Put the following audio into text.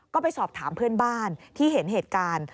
ก็ไปสอบถามเพื่อนบ้านที่เห็นเหตุการณ์